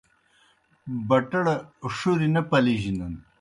بٹڑ ݜُریْ نہ پلِجنَن